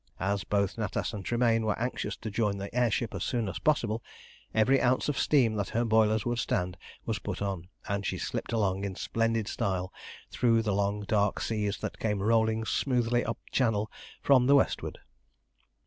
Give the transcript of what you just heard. As both Natas and Tremayne were anxious to join the air ship as soon as possible, every ounce of steam that her boilers would stand was put on, and she slipped along in splendid style through the long, dark seas that came rolling smoothly up Channel from the westward.